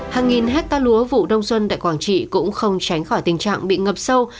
hàng nghìn hecta lúa vụ đông xuân tại quảng trị cũng không tránh khỏi tình trạng bị ngập sâu